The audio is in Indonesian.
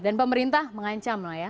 dan pemerintah mengancam